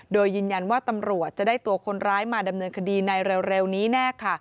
โดยยืนยันว่าตำรวจจะได้ตัวคนร้ายมาดำเนินคดีในเร็วนี้แน่ค่ะ